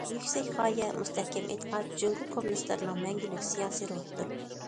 يۈكسەك غايە، مۇستەھكەم ئېتىقاد جۇڭگو كوممۇنىستلىرىنىڭ مەڭگۈلۈك سىياسىي روھىدۇر.